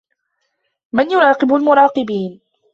من يراقب المراقبين ؟